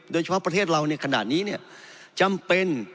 โดยเฉพาะประเทศเราเนี้ยขนาดนี้เนี้ยจำเป็น